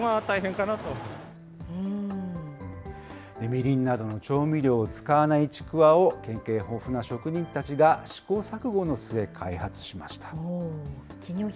みりんなどの調味料を使わないちくわを、経験豊富な職人たちが試行錯誤の末、開発しました。